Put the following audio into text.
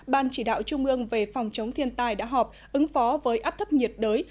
ban chỉ đạo trung ương về phòng chống thiên tai đã họp ứng phó với áp thấp nhiệt đới